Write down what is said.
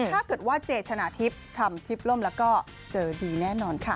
ถ้าเกิดว่าเจชนะทิพย์ทำทิพย์ล่มแล้วก็เจอดีแน่นอนค่ะ